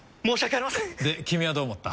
で君はどう思った？